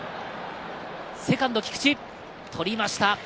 セカンド菊池、捕りました。